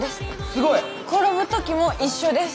すごい！転ぶ時も一緒です。